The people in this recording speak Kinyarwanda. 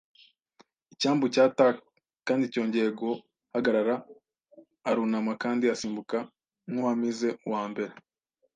icyambu cya tack kandi cyongeye guhagarara, arunama kandi asimbuka nk'uwamize. Uwa mbere